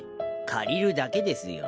借りるだけですよ